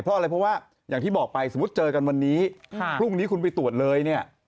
เพราะว่าอย่างที่เจอกันวันนี้ครุ่งนี้คุณไปตรวจเลย